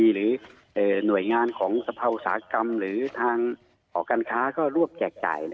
หรือหน่วยงานสภาวสาหกรรมทางหาการค้าก็รวบแจกจ่าย